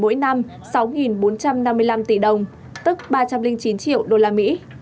mỗi năm sáu bốn trăm năm mươi năm tỷ đồng tức ba trăm linh chín triệu đô la mỹ